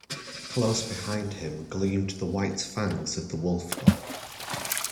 Close beside him gleamed the white fangs of the wolf-dog.